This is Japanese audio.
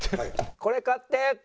「“これ買って”って」。